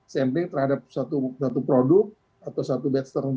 sampling terhadap suatu produk atau suatu batch terhubung